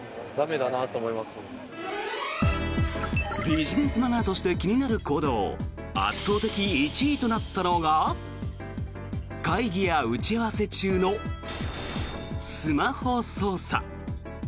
ビジネスマナーとして気になる行動圧倒的１位となったのが会議や打ち合わせ中のスマホ操作。